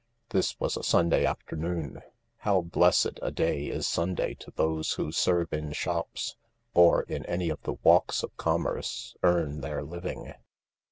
This was a Sunday afternoon. How blessed a day is Sunday to those who serve in shops, or, in any of the walks of commerce, earn their living